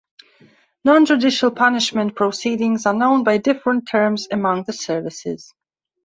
Non-judicial punishment proceedings are known by different terms among the services.